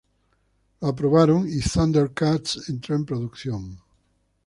Lo aprobaron y "ThunderCats" entró en producción.